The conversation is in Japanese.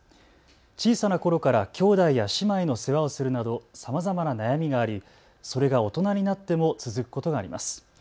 小さなころから兄弟や姉妹の世話をするなどさまざまな悩みがあり、それが大人になっても続くことがあります。